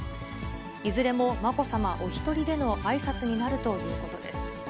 いずれもまこさまお一人でのあいさつになるということです。